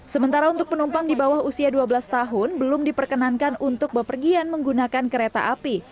sementara untuk penumpang di bawah usia dua belas tahun belum diperkenankan untuk bepergian menggunakan kereta api